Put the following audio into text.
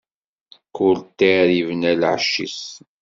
Kull ṭṭir ibna lεecc-is.